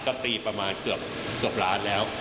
ก็ตีประมาณเกือบล้านแล้ว